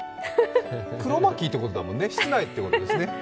クロマキーってことだもんね、室内ってことですよね。